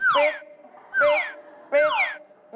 ปิ๊ดโบ๊ะกาง